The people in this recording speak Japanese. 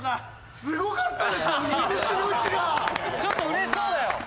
ちょっとうれしそうだよ。